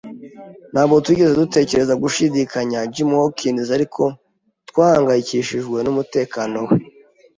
Ntabwo twigeze dutekereza gushidikanya Jim Hawkins, ariko twahangayikishijwe n'umutekano we.